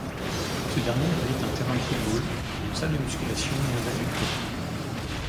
Ce dernier abrite un terrain de football, une salle de musculation et un réfectoire.